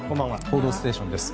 「報道ステーション」です。